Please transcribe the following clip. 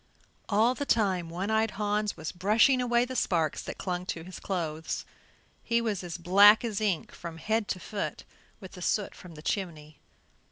All the time One eyed Hans was brushing away the sparks that clung to his clothes. He was as black as ink from head to foot with the soot from the chimney.